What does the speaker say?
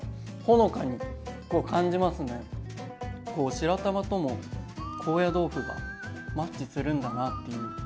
白玉とも高野豆腐がマッチするんだなっていう。